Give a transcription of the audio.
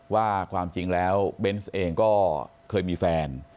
ว่าความจริงแล้วเบนส์เองก็เคยมีแฟน